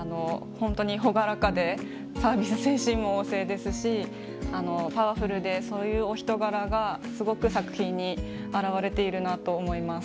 本当に朗らかでサービス精神も旺盛ですしパワフルでそういうお人柄がすごく作品に表れているなと思います。